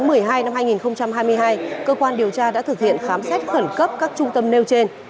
ngày một mươi hai năm hai nghìn hai mươi hai cơ quan điều tra đã thực hiện khám xét khẩn cấp các trung tâm nêu trên